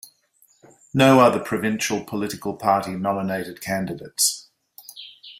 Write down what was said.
No other provincial political party nominated candidates.